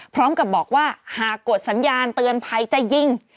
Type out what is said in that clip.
พร้อมกับบอกว่าหากกดสัญญาณเตือนภัยจะยิง